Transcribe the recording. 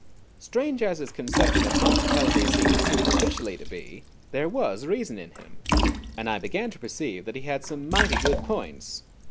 _ Strange as his conception of hospitality seemed superficially to be, there was reason in him, and I began to perceive that he had some mighty good points.